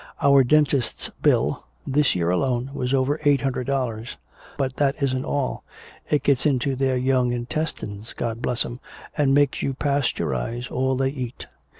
Our dentist's bill, this year alone, was over eight hundred dollars. But that isn't all. It gets into their young intestines, God bless 'em, and makes you pasteurize all they eat.